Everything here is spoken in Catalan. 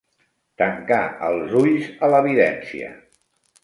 Tancar els ulls a l'evidència.